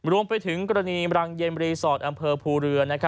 รวมไปถึงกรณีรังเย็นรีสอร์ทอำเภอภูเรือ